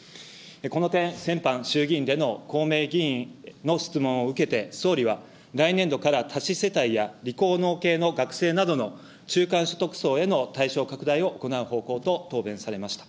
この点、先般、衆議院での公明議員の質問を受けて、総理は来年度から多子世帯や理工農系の学生などの中間所得層への対象拡大を行う方向と答弁されました。